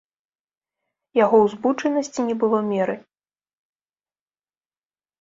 Яго ўзбуджанасці не было меры.